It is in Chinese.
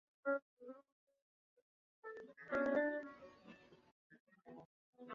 路环图书馆网站